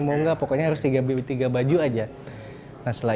mau enggak pokoknya harus tiga baju aja